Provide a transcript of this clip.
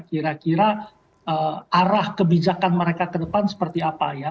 kira kira arah kebijakan mereka ke depan seperti apa ya